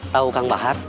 tahu kang bahar